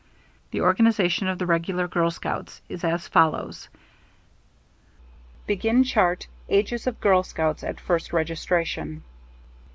The organization of the regular girl scouts is as follows: _Ages of Girl Scouts at first registration.